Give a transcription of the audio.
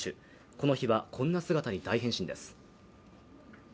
この日はこんな姿に大変身です。